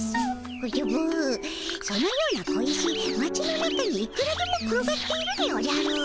おじゃぶそのような小石町の中にいくらでも転がっているでおじゃる。